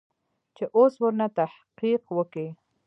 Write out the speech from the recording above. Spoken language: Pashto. چې اوس ورنه تحقيق وکې.